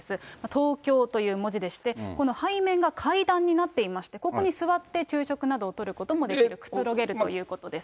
ＴＯＫＹＯという文字でして、この背面が階段になっていまして、ここに座って昼食などをとることもできる、くつろげるということです。